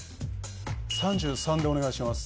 ３３でお願いします